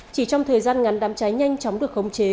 chỉ trong thời gian ngắn đám cháy nhanh chóng được khống chế